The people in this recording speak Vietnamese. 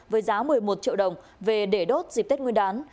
với giá một mươi một triệu đồng về để đốt dịp tết nguyên đán